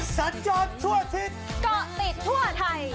สัดจอดทั่วอาทิตย์ก็ติดทั่วไทย